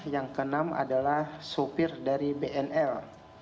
yang keenam adalah sopir dari bnl